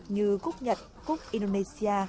như cúc nhật cúc indonesia